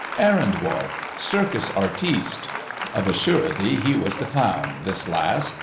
Errand Boy—Circus Artiste. Of a surety he was the clown, this last.